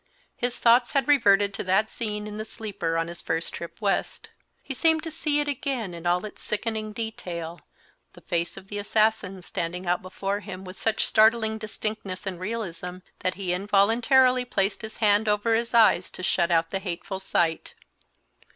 His thoughts had reverted to that scene in the sleeper on his first trip west. He seemed to see it again in all its sickening detail, the face of the assassin standing out before him with such startling distinctness and realism that he involuntarily placed his hand over his eyes to shut out the hateful sight.